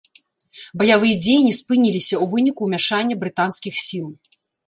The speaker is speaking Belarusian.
Баявыя дзеянні спыніліся ў выніку ўмяшання брытанскіх сіл.